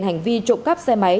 hành vi trộm cắp xe máy